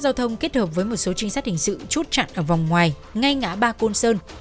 công an thị xã trí linh đang ở ngoài ngay ngã ba côn sơn